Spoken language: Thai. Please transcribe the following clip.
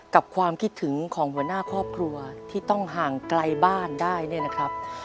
ความคิดถึงของหัวหน้าครอบครัวที่ต้องห่างไกลบ้านได้เนี่ยนะครับ